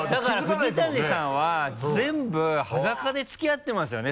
だから藤谷さんは全部裸で付き合ってますよね